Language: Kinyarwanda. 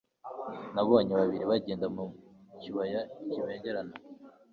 Nabonye babiri bagenda mu kibaya kibengerana